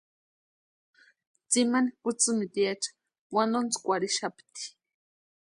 Tsimani kutsïmitiecha wantontskwarhixapti.